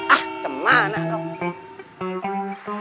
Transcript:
ah cemana kau